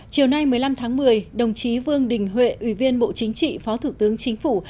chiều nay một mươi năm tháng một mươi đồng chí vương đình huệ ủy viên bộ chính trị phó thủ tướng chính phủ